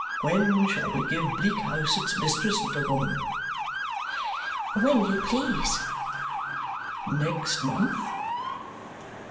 When shall we give Bleak House its mistress, little woman?" "When you please." "Next month?"